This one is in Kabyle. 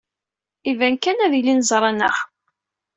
Iban kan ad ilin ẓran-aɣ.